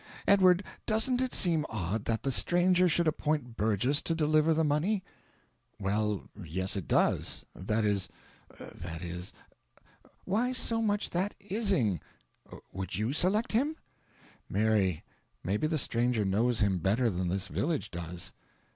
Edward, doesn't it seem odd that the stranger should appoint Burgess to deliver the money?" "Well, yes it does. That is that is " "Why so much that IS ing? Would YOU select him?" "Mary, maybe the stranger knows him better than this village does."